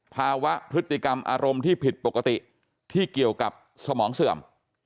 ภาวะพฤติกรรมอารมณ์ที่ผิดปกติที่เกี่ยวกับสมองเสื่อม